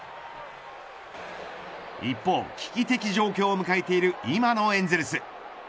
一方、危機的状況を迎えている今のエンゼルス。